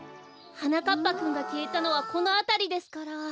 はなかっぱくんがきえたのはこのあたりですから。